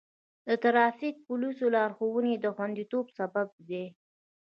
د ټرافیک پولیسو لارښوونې د خوندیتوب سبب دی.